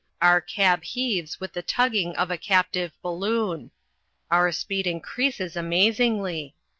Our cab heaves with the tugging of a captive balloon. Our speed increases amazingly.